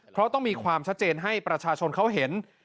เพราะต้องมีความชัดเจนให้ประชาชนเขาเห็น